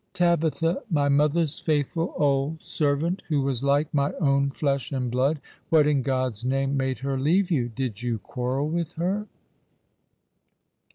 " Tabitha, my mother's faithful old servant, who was like my own flesh and blood ! What in God's name made her leave you ? Did you quarrel with her